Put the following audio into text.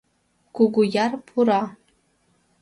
Кугуяр пура.